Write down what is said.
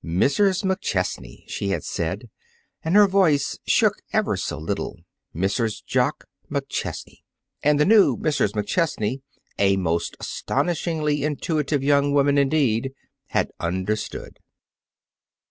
"Mrs. McChesney," she had said, and her voice shook ever so little; "Mrs. Jock McChesney!" And the new Mrs. McChesney, a most astonishingly intuitive young woman indeed, had understood.